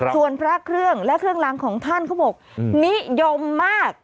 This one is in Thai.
ส่วนพระเครื่องและเครื่องรางของท่านเขาบอกนิยมมาก